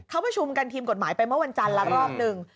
เขาประชุมกันทีมกฎหมายไปเมื่อวันจันทร์ละรอบหนึ่ง